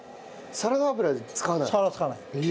サラダは使わない。